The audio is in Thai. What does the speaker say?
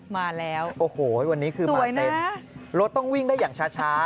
มาแล้วโอ้โหวันนี้คือมาเต็มรถต้องวิ่งได้อย่างช้า